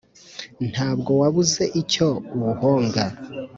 Ntabwo wabuze icyo uwuhonga